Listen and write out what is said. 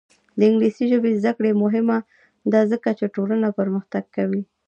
د انګلیسي ژبې زده کړه مهمه ده ځکه چې ټولنه پرمختګ کوي.